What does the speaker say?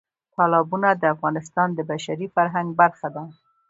تالابونه د افغانستان د بشري فرهنګ برخه ده.